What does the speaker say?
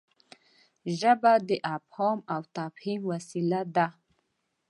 ژبه د افهام او تفهیم وسیله ده.